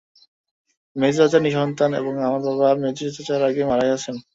মেজো চাচা নিঃসন্তান এবং আমার বাবা মেজো চাচার আগে মারা গেছেন।